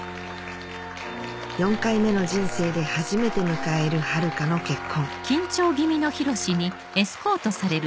４回目の人生で初めて迎える遥の結婚